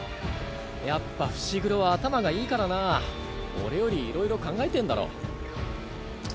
やっぱ伏黒は頭がいいからな俺よりいろいろ考えてんだろ。